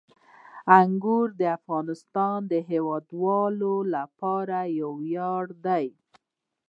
انګور د افغانستان د هیوادوالو لپاره یو ویاړ دی.